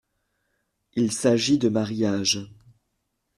Il s’agit de mariage.